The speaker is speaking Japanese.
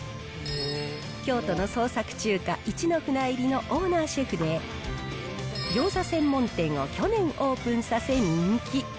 京都の創作中華、一之船入のオーナーシェフで、餃子専門店を去年オープンさせ、人気。